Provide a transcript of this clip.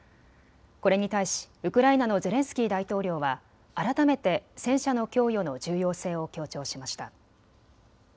これに対しウクライナのゼレンスキー大統領は改めて戦車の供与の重要性を強調しました。